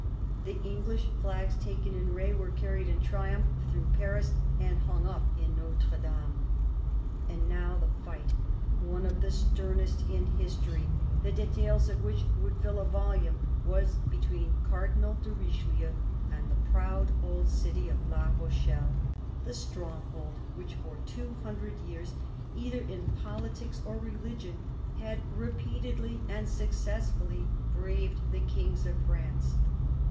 The English flags taken in R6 were carried in triumph through Paris and hung up in Notre Dame. And now the fight, one of the sternest in history, the details of which would fill a volume, was between Cardinal de Richelieu and the proud old city of La Rochelle, the stronghold which for two hundred years, either in politics or religion, had repeatedly and successfully braved the kings of France.